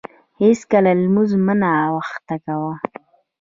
هیڅکله لمونځ مه ناوخته کاوه.